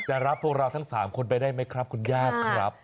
รับพวกเราทั้ง๓คนไปได้ไหมครับคุณญาติครับ